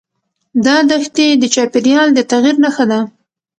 دا دښتې د چاپېریال د تغیر نښه ده.